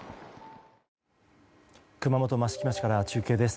熊本・益城町から中継です。